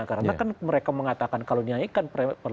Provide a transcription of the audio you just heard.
karena kan mereka mengatakan kalau naikkan